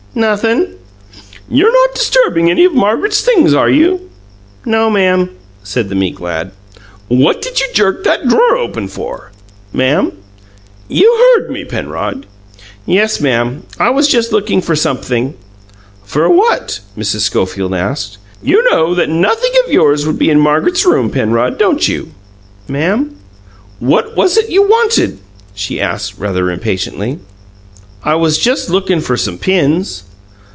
"Nothin'." "You're not disturbing any of Margaret's things, are you?" "No, ma'am," said the meek lad. "What did you jerk that drawer open for?" "Ma'am?" "You heard me, Penrod." "Yes, ma'am. I was just lookin' for sumpthing." "For what?" Mrs. Schofield asked. "You know that nothing of yours would be in Margaret's room, Penrod, don't you?" "Ma'am?" "What was it you wanted?" she asked, rather impatiently. "I was just lookin' for some pins."